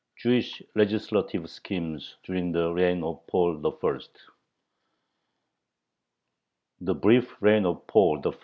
JEWISH LEGISLATIVE SCHEMES DURING THE REIGN OF PAUL I. The brief reign of Paul I.